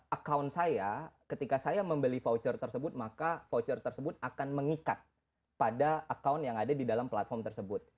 account saya ketika saya membeli voucher tersebut maka voucher tersebut akan mengikat pada account yang ada di dalam platform tersebut